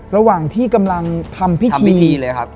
ระหว่างที่กำลังทำพิธี